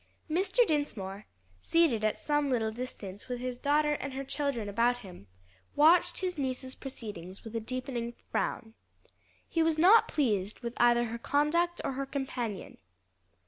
Mr. Dinsmore, seated at some little distance with his daughter and her children about him, watched his niece's proceedings with a deepening frown. He was not pleased with either her conduct or her companion.